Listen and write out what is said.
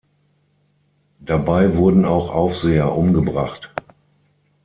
Dabei wurden auch Aufseher umgebracht.